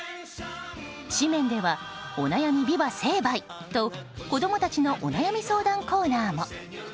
誌面では「おなやみビバ成敗！！」と子供たちのお悩み相談コーナーも。